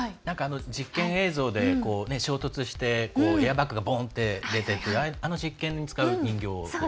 実験映像で衝突してエアバックがボン！と出てあの実験に使う人形。